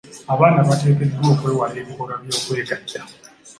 Abaana bateekeddwa okwewala ebikolwa by'okwegatta.